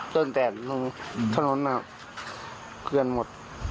จนแต่ถนนน่ะเกินหมด